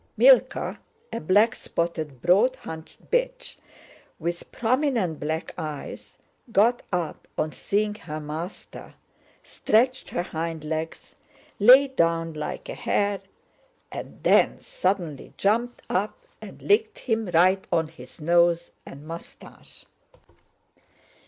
Mílka, a black spotted, broad haunched bitch with prominent black eyes, got up on seeing her master, stretched her hind legs, lay down like a hare, and then suddenly jumped up and licked him right on his nose and mustache.